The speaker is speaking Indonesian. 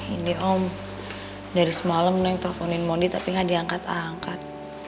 ini om dari semalam neng telfonin mondi tapi gak diangkat angkat